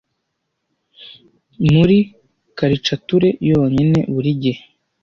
Muri karicature yonyine. Buri gihe